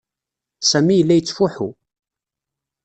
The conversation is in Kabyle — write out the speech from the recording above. Sami yella yettfuḥu.